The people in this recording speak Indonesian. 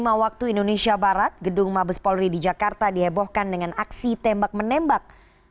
pada pukul enam belas empat puluh lima waktu indonesia barat gedung mabes polri di jakarta dihebohkan dengan aksi tembak menembak